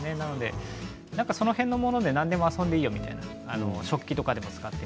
その辺のもので何でも遊んでいいよみたいな食器とかでも使って。